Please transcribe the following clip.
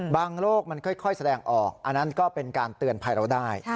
โลกมันค่อยแสดงออกอันนั้นก็เป็นการเตือนภัยเราได้